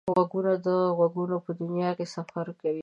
غوږونه د غږونو په دنیا کې سفر کوي